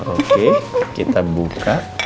oke kita buka